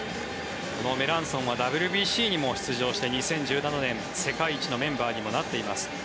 このメランソンはＷＢＣにも出場して２０１７年世界一のメンバーにもなっています。